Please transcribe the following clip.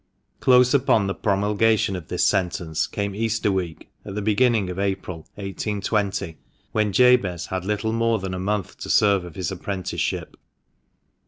Close upon the promulgation of this sentence came Easter week, at the beginning of April, 1820, when Jabez had little more than a month to serve of his apprenticeship.